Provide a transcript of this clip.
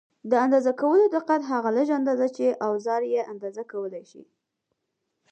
د اندازه کولو دقت: هغه لږه اندازه چې اوزار یې اندازه کولای شي.